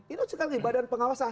itu sekali badan pengawasan